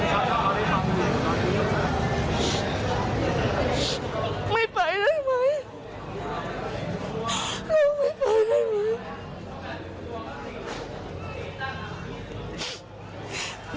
ไม่ไปได้ไหม